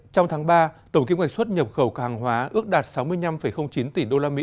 trong tháng ba tổng kinh hoạch xuất nhập khẩu hàng hóa ước đạt sáu mươi năm chín tỷ usd